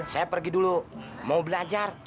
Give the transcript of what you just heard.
saya pergi dulu mau belajar